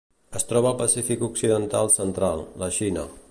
Es troba al Pacífic occidental central: la Xina.